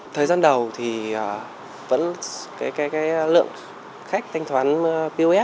thời gian đầu thì vẫn cái lượng khách thanh toán pos